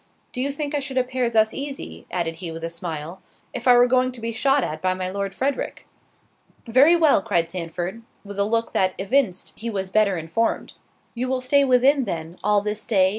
Do you think I should appear thus easy," added he with a smile, "if I were going to be shot at by my Lord Frederick?" "Very well!" cried Sandford, with a look that evinced he was better informed. "You will stay within then, all this day?"